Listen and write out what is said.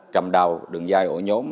cầm đào đường dài ổ nhóm